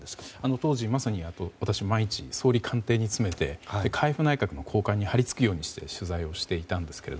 当時、まさに私毎日総理官邸に詰めて海部内閣の高官に張り付くように取材していたんですが。